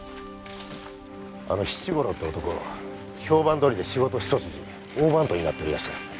あの七五郎って男は評判どおりで仕事一筋大番頭になっておりやした。